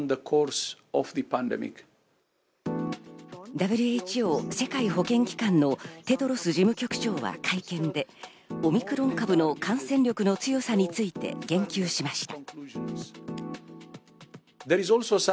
ＷＨＯ＝世界保健機関のテドロス事務局長は会見で、オミクロン株の感染力の強さについて言及しました。